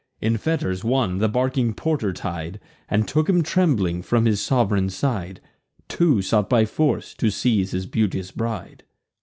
In fetters one the barking porter tied, And took him trembling from his sov'reign's side: Two sought by force to seize his beauteous bride."